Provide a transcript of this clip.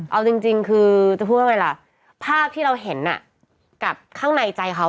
เอาจริงคือจะพูดว่าเวลาภาพที่เราเห็นกับข้างในใจเขา